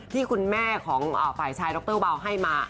ที่คุณแม่ของฝ่ายชายดรเบาให้มา